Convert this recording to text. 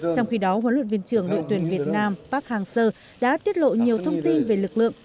trong khi đó huấn luyện viên trưởng đội tuyển việt nam park hang seo đã tiết lộ nhiều thông tin về lực lượng